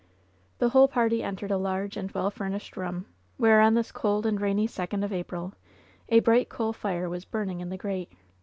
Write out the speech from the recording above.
The whole party entered a large and well furnished room, where, on this cold and rainy second of April, a bright coal fire was burning in the grate.